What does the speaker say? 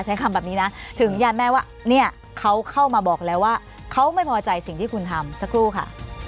ใช้คำแบบนี้นะถึงยานแม่ว่าเนี่ยเขาเข้ามาบอกแล้วว่าเขาไม่พอใจสิ่งที่คุณทำสักครู่ค่ะ